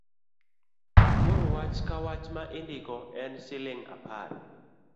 Koro wach Ka wach ma indiko en shilling apar.